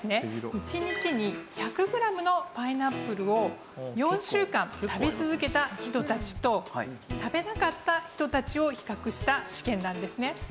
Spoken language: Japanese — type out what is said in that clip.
１日に１００グラムのパイナップルを４週間食べ続けた人たちと食べなかった人たちを比較した試験なんですね。